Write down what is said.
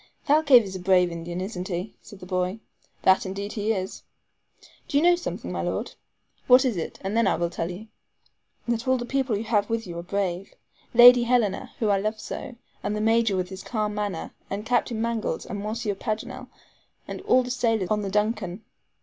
"Thalcave is a brave Indian, isn't he?" said the boy. "That indeed he is." "Do you know something, my Lord?" "What is it, and then I will tell you?" "That all the people you have with you are brave. Lady Helena, whom I love so, and the Major, with his calm manner, and Captain Mangles, and Monsieur Paganel, and all the sailors on the DUNCAN.